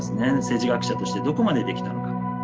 政治学者としてどこまでできたのか。